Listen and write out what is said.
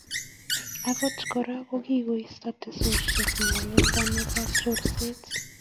Akot kora, kikoisto teksosiek nyalilda nebo chorset